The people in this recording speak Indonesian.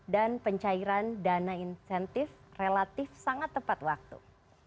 dan pencairan dana insentif relatif sangat tepat waktu